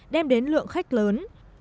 đem đến lượng khách lớn